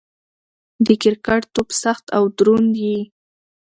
د کرکټ توپ سخت او دروند يي.